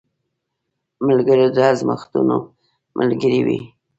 ملګری د ازمېښتو ملګری وي